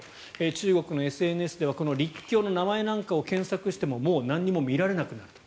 中国のＳＮＳではこの陸橋の名前なんかを検索してももう何も見られなくなると。